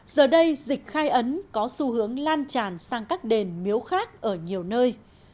giờ đây dịch khai ấn có xu hướng lan tràn sang các đền miếu khác ở nhiều nơi